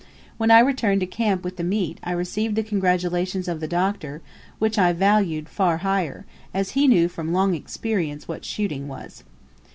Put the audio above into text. When I returned to camp with the meat I received the congratulations of the Doctor, which I valued far higher, as he knew from long experience what shooting was.